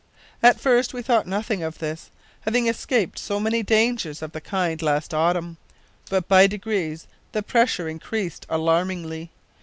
At first we thought nothing of this, having escaped so many dangers of the kind last autumn, but by degrees the pressure increased alarmingly.